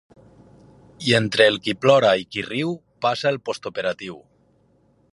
I entre el qui plora i qui riu passa el post-operatiu.